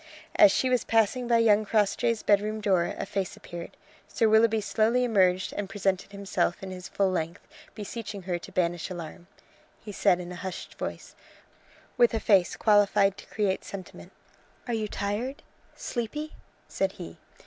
As she was passing by young Crossjay's bedroom door a face appeared. Sir Willoughby slowly emerged and presented himself in his full length, beseeching her to banish alarm. He said it in a hushed voice, with a face qualified to create sentiment. "Are you tired? sleepy?" said he.